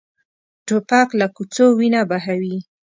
توپک له کوڅو وینه بهوي.